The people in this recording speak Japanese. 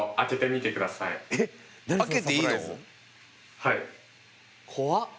はい。